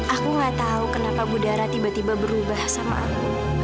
aku gak tahu kenapa gudara tiba tiba berubah sama aku